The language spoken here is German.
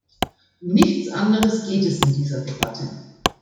Um nichts anderes geht es in dieser Debatte.